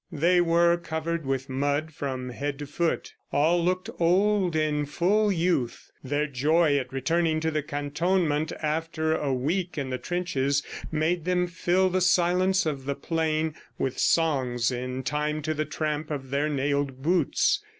They were covered with mud from head to foot. All looked old in full youth. Their joy at returning to the cantonment after a week in the trenches, made them fill the silence of the plain with songs in time to the tramp of their nailed boots.